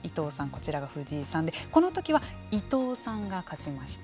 こちらが藤井さんでこの時は伊藤さんが勝ちました。